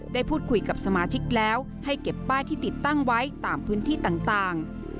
ได้พูดคุยกับสมาชิกแล้วให้เก็บป้ายที่ติดตั้งไว้ตามพื้นที่ต่าง